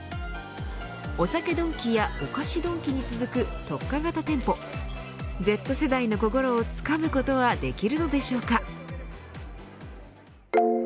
お酒ドンキやお菓子ドンキに続く特化型店舗Ｚ世代の心をつかむことはできるのでしょうか。